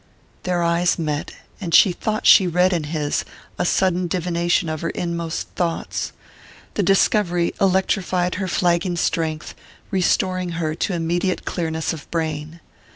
Their eyes met, and she thought she read in his a sudden divination of her inmost thoughts. The discovery electrified her flagging strength, restoring her to immediate clearness of brain.